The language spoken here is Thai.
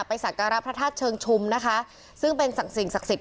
ไปสังการพระทาสเชิงชุมนะคะซึ่งเป็นศักดิ์สินธิ์ศักดิ์สิทธิ์